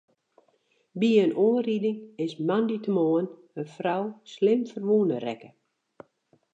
By in oanriding is moandeitemoarn in frou slim ferwûne rekke.